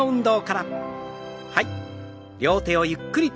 はい。